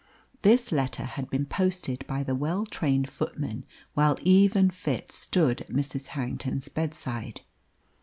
This letter had been posted by the well trained footman while Eve and Fitz stood at Mrs. Harrington's bedside.